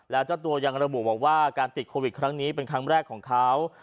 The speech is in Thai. แล้วเจ้าตัวยังระบุบอกว่าการติดโควิดครั้งนี้เป็นครั้งแรกของเขา